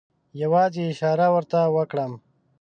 یوازې اشاره ورته وکړم.